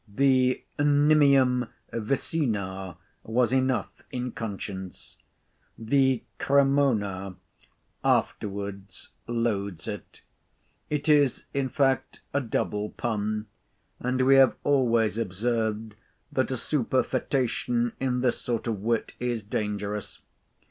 The nimium Vicina was enough in conscience; the Cremonæ afterwards loads it. It is in fact a double pun; and we have always observed that a superfoetation in this sort of wit is dangerous.